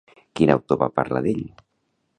Quin autor va parlar d'ell?